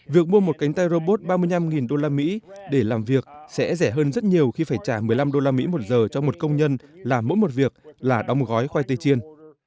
việc mua một cánh tay robot ba mươi năm usd để làm việc sẽ rẻ hơn rất nhiều khi phải trả một mươi năm usd một giờ cho một công nhân làm mỗi một việc là đóng gói khoai tây chiên